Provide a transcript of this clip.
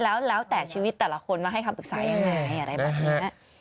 แล้วแต่ชีวิตแต่ละคนมาให้คำปรึกษายังไง